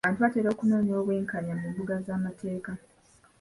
Abantu batera okunoonya obwenkanya mu mbuga z'amateeka.